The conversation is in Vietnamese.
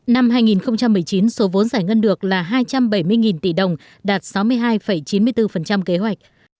năm hai nghìn một mươi chín số vốn giải ngân được là hai trăm bảy mươi tỷ đồng đạt sáu mươi hai chín mươi bốn kế hoạch